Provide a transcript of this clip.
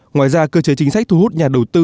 ngoài ra cơ chế chính sách thu hút nhà đầu tư